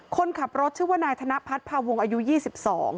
คนขับรถชื่อว่านายธนพัฒน์พาวงอายุยี่สิบสอง